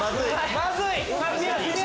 まずい！